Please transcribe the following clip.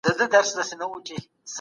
دا زيات شمېر دئ.